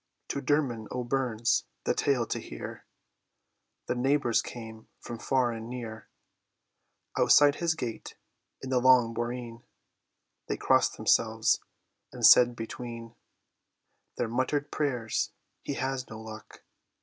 '" To Dermod O'Byrne's, the tale to hear, The neighbours came from far and near: Outside his gate, in the long boreen, They crossed themselves, and said between Their muttered prayers, "He has no luck!